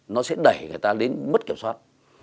nó sẽ đẩy người ta đến mất kiểm soát